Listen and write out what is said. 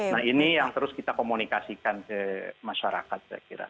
nah ini yang terus kita komunikasikan ke masyarakat